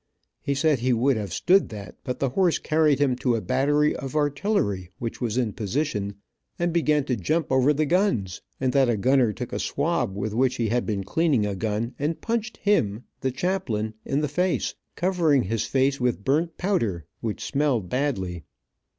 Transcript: He said he would have stood that, but the horse carried him to a battery of artillery which was in position, and began to jump over the guns, and that a gunner took a swab with which he had been cleaning a gun, and punched him, the chaplain, in the face, covering his face with burnt powder which smelled badly.